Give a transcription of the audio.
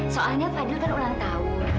soalnya fadil kan ulang tahun